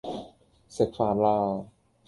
食飯啦